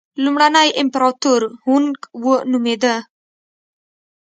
لومړنی امپراتور هونګ وو نومېده.